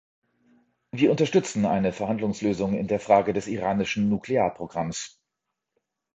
Wir unterstützen eine Verhandlungslösung in der Frage des iranischen Nuklearprogramms.